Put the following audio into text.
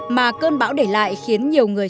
mà cơn bão để lại khiến nhiều người